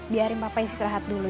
biarin papa istirahat dulu